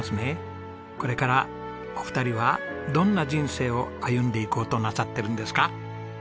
これからお二人はどんな人生を歩んでいこうとなさってるんですか？